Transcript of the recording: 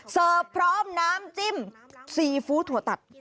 พร้อมน้ำจิ้มซีฟู้ดถั่วตัด